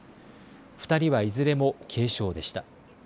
２人はいずれも軽傷でした。